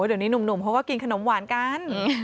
โอ้เดี๋ยวนี้หนุ่มเพราะว่ากินขนมหวานกัน